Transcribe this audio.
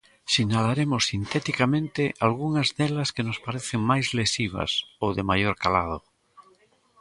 Sinalaremos sinteticamente algunhas delas que nos parecen máis lesivas ou de maior calado.